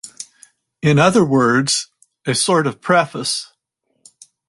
In other words, a sort of preface.